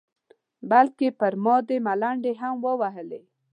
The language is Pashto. بلکې پر ما دې ملنډې هم وهلې.